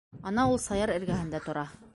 Ана ул Саяр эргәһендә тора.